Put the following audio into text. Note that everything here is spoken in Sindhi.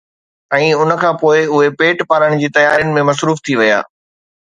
۽ ان کان پوءِ اهي پيٽ پالڻ جي تيارين ۾ مصروف ٿي ويا.